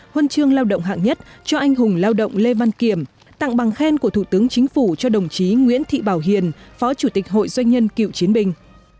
huân chương lao động hạng nhất cho anh hùng lao động lê văn kiểm tặng bằng khen của thủ tướng chính phủ cho đồng chí nguyễn thị bảo hiền phó chủ tịch hội doanh nhân cựu chiến binh